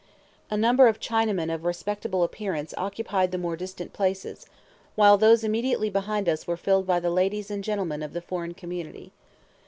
A number of Chinamen of respectable appearance occupied the more distant places, while those immediately behind us were filled by the ladies and gentlemen of the foreign community.